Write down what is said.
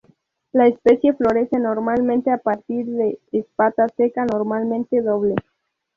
La especie florece normalmente a partir de espata seca, normalmente doble.